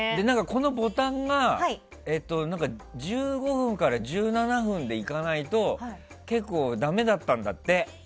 このボタンが１５分から１７分で行かないと結構ダメだったんだって。